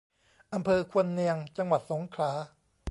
อำเภอควนเนียง จังหวัดสงขลา